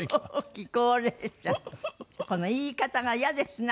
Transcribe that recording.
この言い方がイヤですね。